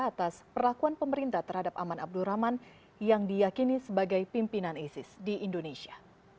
atas perlakuan pemerintah terhadap aman abdurrahman yang diyakini sebagai pimpinan isis di indonesia